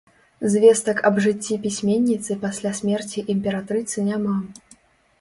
Звестак аб жыцці пісьменніцы пасля смерці імператрыцы няма.